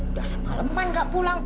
udah semaleman gak pulang